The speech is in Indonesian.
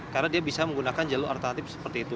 karena dia bisa menggunakan jalur alternatif seperti itu